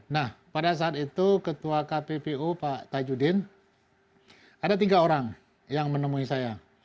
nah pada saat itu ketua kppu pak tajudin ada tiga orang yang menemui saya